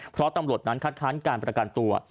เพราะตำรวจนั้นคัดค้านการประกันตัว